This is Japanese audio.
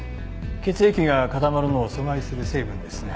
血液が固まるのを阻害する成分ですね。